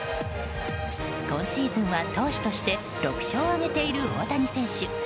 今シーズンは投手として６勝を挙げている大谷選手。